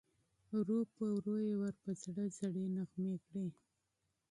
ورو په ورو یې ور په زړه زړې نغمې کړې